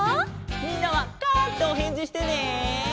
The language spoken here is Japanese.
みんなは「カァ」っておへんじしてね！